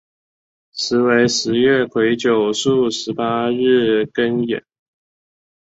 时为十月癸酉朔十八日庚寅。